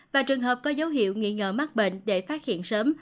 và trường hợp có dấu hiệu nghi ngờ mắc bệnh để phát hiện sớm